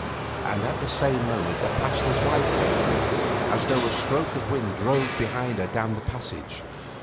And at the same moment the Pasteur's wife came in as though a stroke of wind drove behind her down the passage.